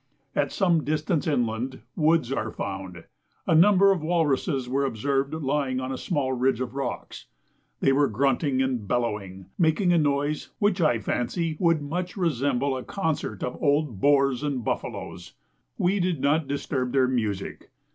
At some distance inland, woods are found. A number of walruses were observed lying on a small ridge of rocks. They were grunting and bellowing making a noise which I fancy would much resemble a concert of old boars and buffaloes. We did not disturb their music.